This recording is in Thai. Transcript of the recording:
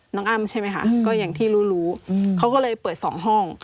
อ้ำใช่ไหมคะก็อย่างที่รู้รู้เขาก็เลยเปิด๒ห้อง